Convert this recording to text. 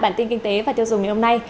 bản tin kinh tế và tiêu dùng ngày hôm nay